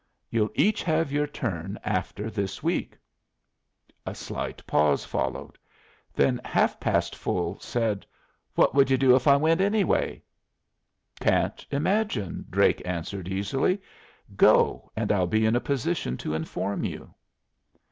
"You'll each have your turn after this week." A slight pause followed. Then Half past Full said: "What would you do if I went, anyway?" "Can't imagine," Drake answered, easily. "Go, and I'll be in a position to inform you."